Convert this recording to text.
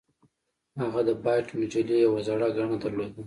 هغه د بایټ مجلې یوه زړه ګڼه درلوده